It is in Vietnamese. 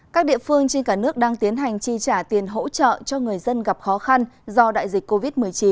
các địa phương trên cả nước đang tiến hành chi trả tiền hỗ trợ cho người dân gặp khó khăn do đại dịch covid một mươi chín